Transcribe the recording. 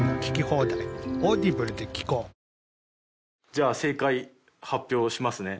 じゃあ正解発表しますね。